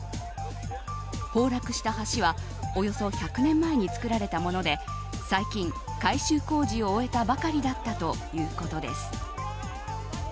崩落した橋はおよそ１００年前に作られたもので最近、改修工事を終えたばかりだったということです。